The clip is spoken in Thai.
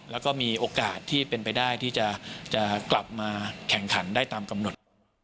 แล้วก็มีโอกาสที่เป็นไปได้ที่จะกลับมาแข่งขันได้ตามกำหนด